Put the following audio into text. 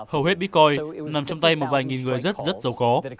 hầu hết bitcoin nằm trong tay một vài nghìn người rất rất giàu có